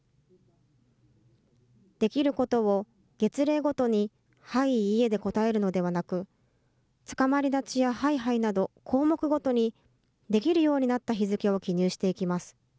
できることを月例ごとにはい・いいえで答えるのではなく、つかまり立ちやハイハイなど、項目ごとにできるようになった日付を記入していきます。